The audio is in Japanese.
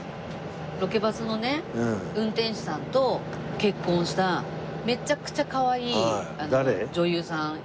ロケバスの運転手さんと結婚しためちゃくちゃ可愛い女優さん。